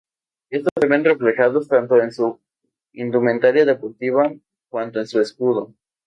Estos se ven reflejados tanto en su indumentaria deportiva cuanto en su escudo.